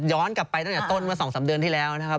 กลับไปตั้งแต่ต้นเมื่อ๒๓เดือนที่แล้วนะครับ